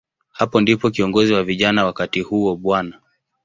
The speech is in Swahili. Hapo ndipo kiongozi wa vijana wakati huo, Bw.